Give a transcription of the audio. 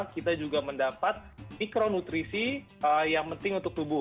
kita juga mendapat mikronutrisi yang penting untuk tubuh